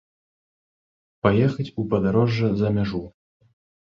Паехаць у падарожжа за мяжу.